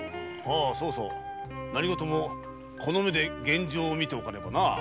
おうそうそう何ごともこの目で現状を見ておかねばな。